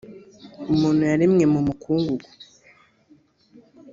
umuntu yaremwe mumukungugu.